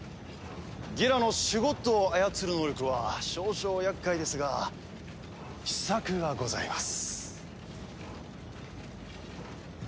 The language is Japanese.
ギラのシュゴッドを操る能力は少々厄介ですが秘策がございます。